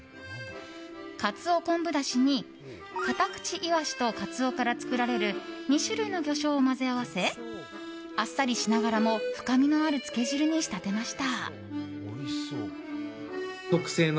カツオ昆布だしにカタクチイワシとカツオから作られる２種類の魚醤を混ぜ合わせあっさりしながらも深みのあるつけ汁に仕立てました。